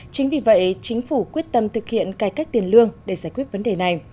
chính vì vậy chính phủ quyết tâm thực hiện cải cách tiền lương để giải quyết vấn đề này